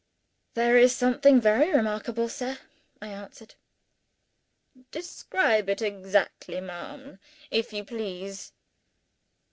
"There is something very remarkable, sir," I answered. "Describe it exactly, ma'am, if you please."